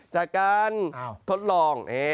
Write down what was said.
จากการทดลอง